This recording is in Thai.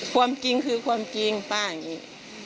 ความจริงคือความจริงป้าอย่างนี้